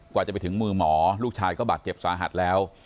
จะไปถึงมือหมอลูกชายก็บาดเจ็บสาหัสแล้ว